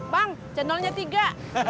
bang cendolnya tiga